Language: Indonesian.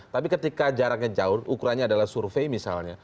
tapi ketika jaraknya jauh ukurannya adalah survei misalnya